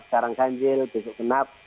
sekarang ganjil besok benap